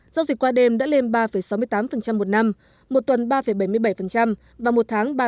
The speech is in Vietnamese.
giao dịch qua đêm đã lên ba sáu mươi tám một năm một tuần ba bảy mươi bảy và một tháng ba chín mươi hai